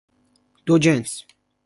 دوجنس